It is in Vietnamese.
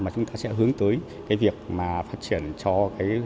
mà chúng ta sẽ hướng tới việc phát triển cho hướng dẫn